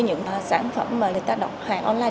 những sản phẩm mà người ta đọc hàng online